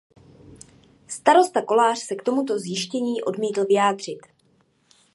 Starosta Kolář se k tomuto zjištění odmítl vyjádřit.